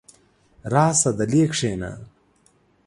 راشه دلې کښېنه!